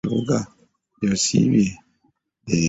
Kiki ebibadde mu kibuga gy'osiibye leero?